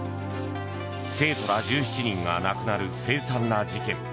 生徒ら１７人が亡くなる凄惨な事件。